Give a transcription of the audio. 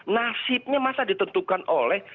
nasibnya masa ditentukan oleh